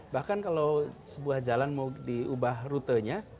bahkan kalau sebuah jalan mau diubah rutenya